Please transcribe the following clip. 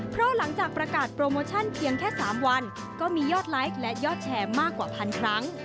เพราะหลังจากประกาศโปรโมชั่นเพียงแค่๓วันก็มียอดไลฟ์และยอดแชร์มากกว่าพันครั้ง